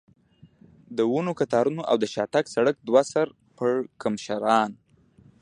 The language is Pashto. د ونو کتارونه او د شاتګ سړک، دوه سر پړکمشران.